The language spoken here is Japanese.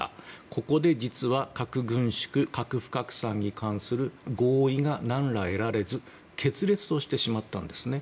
ここで実は核軍縮、核不拡散に関する合意が何ら得られず決裂としてしまったんですね。